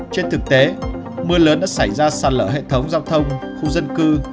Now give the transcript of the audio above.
trên thực tế mưa lớn đã xảy ra sạt lở hệ thống giao thông khu dân cư